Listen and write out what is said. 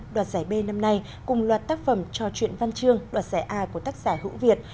đoạt giải b năm nay cùng loạt tác phẩm trò chuyện văn chương đoạt giải a của tác giả hữu việt